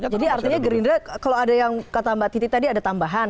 jadi artinya gerindra kalau ada yang kata mbak titi tadi ada tambahan